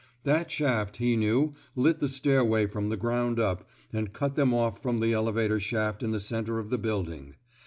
That shaft, he knew, lit the stairway from the ground up, and cut them off from the elevator shaft in the center of the building.